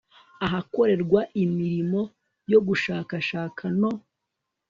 ahakorerwa imirimo yo gushakashaka no